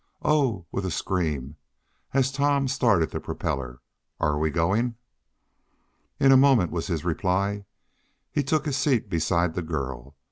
"Oh!" with a scream, as Tom started the propeller. "Are we going?" "In a moment," was his reply. He took his seat beside the girl.